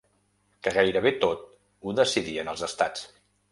Que gairebé tot ho decidien els estats.